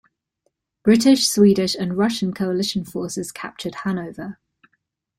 British, Swedish and Russian coalition forces captured Hanover.